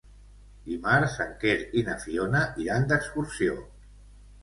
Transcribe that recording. Dimarts en Quer i na Fiona iran d'excursió.